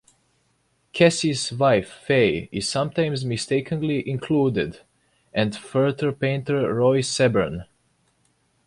Kesey's wife Faye is sometimes mistakenly included, and Futhur-painter Roy Sebern.